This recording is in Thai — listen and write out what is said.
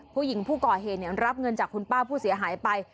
ผู้หญิงผู้ก่อเหนี่ยรับเงินจากคุณป้าผู้เสียหายไป